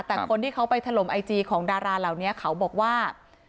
แต่คนที่เขาไปถล่มไอจีของดาราเหล่านี้เขาบอกว่า